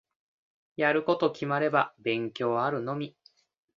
やること決まれば勉強あるのみ。